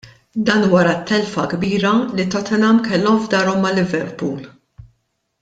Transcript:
Dan wara t-telfa kbira li Tottenham kellhom f'darhom ma' Liverpool.